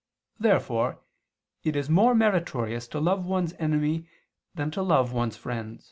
Therefore it is more meritorious to love one's enemy than to love one's friend.